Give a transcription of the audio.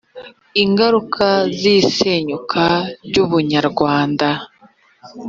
ingaruka z isenyuka ry ubunyarwanda